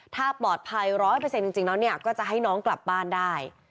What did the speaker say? ถ้าปลอดภัย๑๐๐จริงแล้วเนี่ยก็จะให้น้องกลับบ้านได้